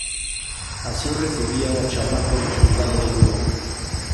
Así recibían o Chamaco no xulgado de Lugo.